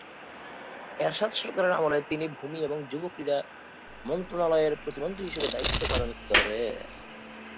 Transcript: এরশাদ সরকারের আমলে তিনি ভূমি এবং যুব ও ক্রীড়া মন্ত্রণালয়ের প্রতিমন্ত্রী হিসেবে দায়িত্বপালন করেন।